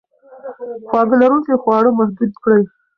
خواږه لرونکي خواړه محدود کړئ.